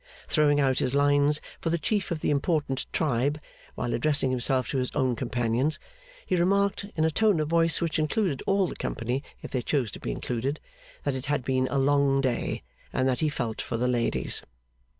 Throwing out his lines for the Chief of the important tribe, while addressing himself to his own companions, he remarked, in a tone of voice which included all the company if they chose to be included, that it had been a long day, and that he felt for the ladies.